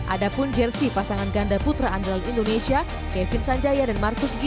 ada pun jersi pasangan ganda putra andalan indonesia kevin sanjaya dan marcus gigi